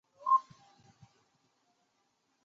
富尼兰迪亚是巴西米纳斯吉拉斯州的一个市镇。